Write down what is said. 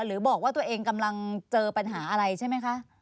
หรือบอกว่าตัวเองกำลังเจอปัญหาอะไรใช่ไหมคะ